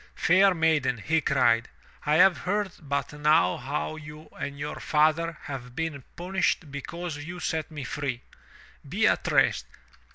"Fair maiden," he cried, "I have heard but now how you and your father have been punished because you set me free. Be at rest.